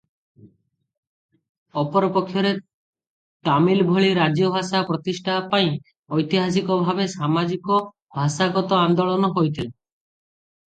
ଅପରପକ୍ଷରେ ତାମିଲ ଭଳି ରାଜ୍ୟଭାଷା ପ୍ରତିଷ୍ଠା ପାଇଁ ଐତିହାସିକ ଭାବେ ସାମାଜିକ-ଭାଷାଗତ ଆନ୍ଦୋଳନ ହୋଇଥିଲା ।